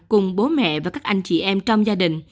cùng bố mẹ và các anh chị em trong gia đình